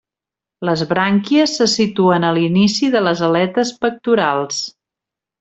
Les brànquies se situen a l'inici de les aletes pectorals.